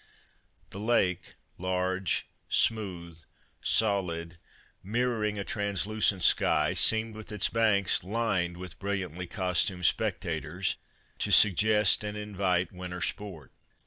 The lake, large, smooth, solid, mirroring a translucent sky, seemed with its banks lined with brilliantly costumed spec tators, to suggest and invite winter sport.